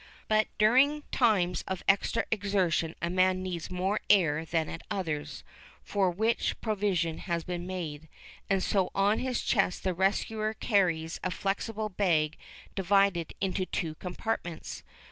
But during times of extra exertion a man needs more air than at others, for which provision has to be made, and so on his chest the rescuer carries a flexible bag divided into two compartments.